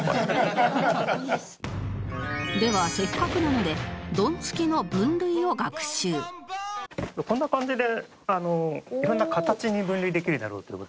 ではせっかくなのでドンツキの分類を学習こんな感じで色んな形に分類できるだろうという事で。